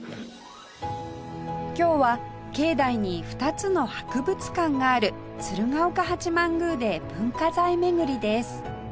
今日は境内に２つの博物館がある鶴岡八幡宮で文化財巡りです